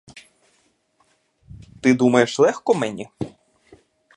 Ти думаєш, легко мені?